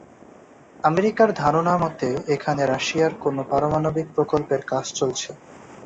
আমেরিকার ধারণা মতে এখানে রাশিয়ার কোন পারমাণবিক প্রকল্পের কাজ চলছে।